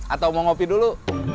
atau mau ngopi dulu